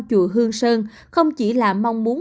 chùa hương sơn không chỉ là mong muốn